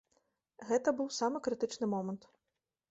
Гэта быў самы крытычны момант.